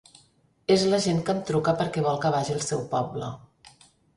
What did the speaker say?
És la gent que em truca perquè vol que vagi al seu poble.